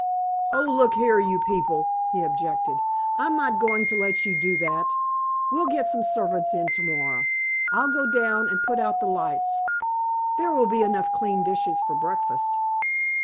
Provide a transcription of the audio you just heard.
"Oh, look here, you people," he objected, "I'm not going to let you do that. We'll get some servants in tomorrow. I'll go down and put out the lights. There will be enough clean dishes for breakfast."